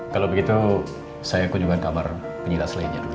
kalau begitu saya kunjungi kamar penyintas lainnya ya